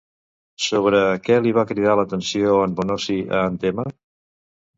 Sobre què li va cridar l'atenció en Bonosi a en Temme?